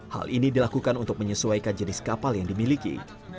hal ini dilakukan untuk menyesuaikan jenis kapal yang dimiliki